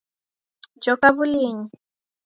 Joka wulinyi